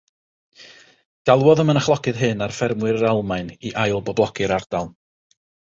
Galwodd y mynachlogydd hyn ar ffermwyr yr Almaen i ailboblogi'r ardal.